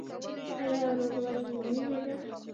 آیا ورورولي مینه ده؟